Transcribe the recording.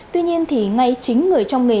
tuy nhiên thì ngay chính người trong nghề